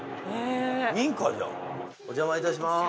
お邪魔いたします。